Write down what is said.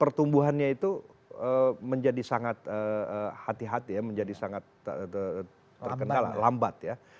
pertumbuhannya itu menjadi sangat hati hati ya menjadi sangat terkendala lambat ya